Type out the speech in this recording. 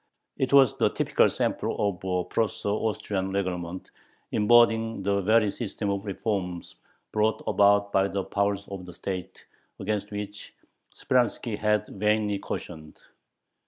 It was the typical sample of a Prusso Austrian Reglement, embodying the very system of "reforms brought about by the power of the state" against which Speranski had vainly cautioned.